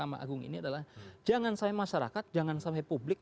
yang saya agung ini adalah jangan sampai masyarakat jangan sampai publik